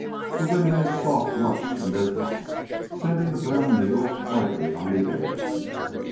The wind made soft rush in their tops, sending the brown needles lightly on the air.